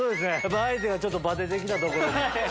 相手がちょっとバテて来たところに。